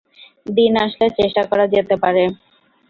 দিনে আসলে চেষ্টা করা যেতে পারে।